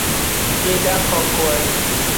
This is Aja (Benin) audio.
Fida kokoe.